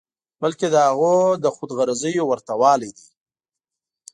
بلکې د هغوی د خود غرضیو ورته والی دی.